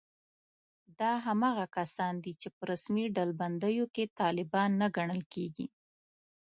دا هماغه کسان دي چې په رسمي ډلبندیو کې طالبان نه ګڼل کېږي